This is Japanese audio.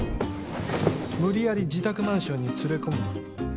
無理やり自宅マンションに連れ込み関係をもった。